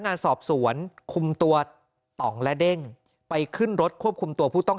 งานสอบสวนคุมตัวต่องและเด้งไปขึ้นรถควบคุมตัวผู้ต้อง